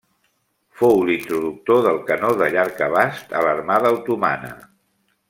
Fou l'introductor del canó de llarg abast a l'armada otomana.